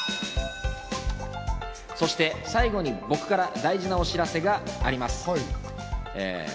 そして最後に僕から大事なお知らせがあります。